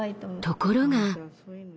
ところが。